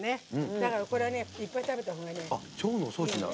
だから、これはいっぱい食べたほうがね。